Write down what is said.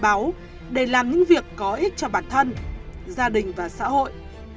trần lê huy báo để làm những việc có ích cho bản thân gia đình và xã hội